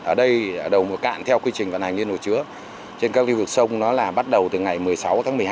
ở đây đầu mùa cạn theo quy trình vận hành liên hồ chứa trên các lưu vực sông nó là bắt đầu từ ngày một mươi sáu tháng một mươi hai